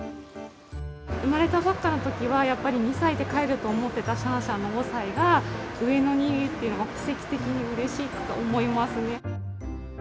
生まれたばっかのときは、やっぱり２歳で帰ると思ってたシャンシャンの５歳が、上野にいるっていうのは奇跡的にうれしいと思いますね。